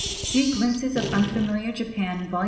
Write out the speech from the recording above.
" (See Glimpses of Unfamiliar Japan, vol.